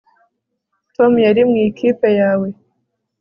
Tom yari mu ikipe yawe